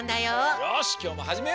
よしきょうもはじめよう！